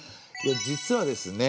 実はですね